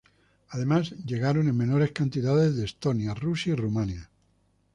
Además, llegaron en menores cantidades de Estonia, Rusia y Rumania.